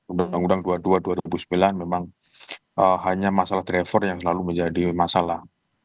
undang undang dua puluh dua dua ribu sembilan memang hanya masalah driver yang selalu menjadi masalah